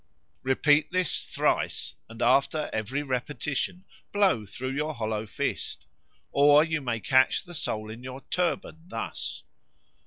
Repeat this thrice and after every repetition blow through your hollow fist. Or you may catch the soul in your turban, thus.